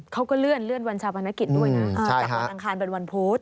เขาก็เลื่อนวันชาปนกิจด้วยนะจากวันอังคารเป็นวันพุธ